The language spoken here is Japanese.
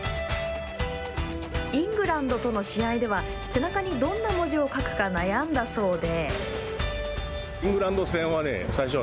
イングランドとの試合では背中にどんな文字を書くか悩んだそうで。